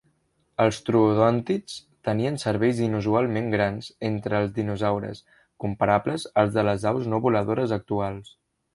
Els troodòntids tenien cervells inusualment grans entre els dinosaures, comparables als de les aus no voladores actuals.